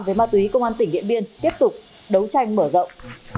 về ma túy công an tỉnh điện biên tiếp tục đấu tranh mở rộng